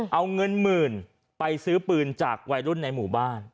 เอาเงินหมื่นไปซื้อปืนจากวัยรุ่นในหมู่บ้าน